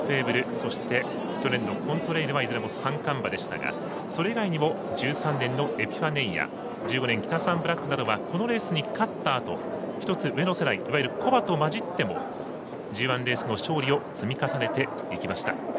そして、去年のコントレイルは三冠馬でしたが、そのほかにも１３年のエピファネイア１５年のキタサンブラックはこのレースに勝ったあと一つ上の世代古馬と混じってもＧＩレースの勝利を積み重ねていきました。